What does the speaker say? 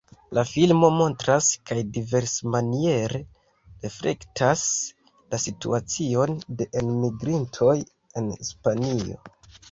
La filmo montras kaj diversmaniere reflektas la situacion de enmigrintoj en Hispanio.